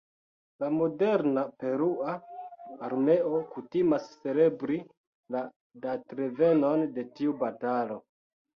La moderna perua armeo kutimas celebri la datrevenon de tiu batalo.